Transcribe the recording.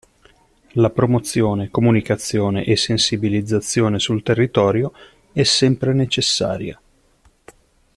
La promozione, comunicazione e sensibilizzazione sul territorio è sempre necessaria.